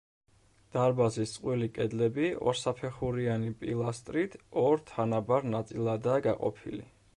დარბაზის წყვილი კედლები ორსაფეხურიანი პილასტრით ორ თანაბარ ნაწილადაა გაყოფილი.